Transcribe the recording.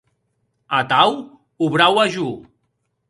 Atau obraua jo!